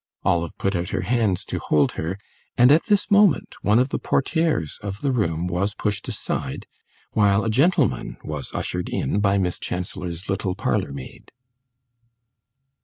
Olive put out her hands to hold her, and at this moment one of the portières of the room was pushed aside, while a gentleman was ushered in by Miss Chancellor's little parlour maid.